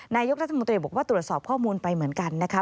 นายกรัฐมนตรีบอกว่าตรวจสอบข้อมูลไปเหมือนกันนะคะ